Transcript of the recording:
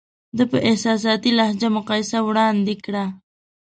ده په احساساتي لهجه مقایسه وړاندې کړه.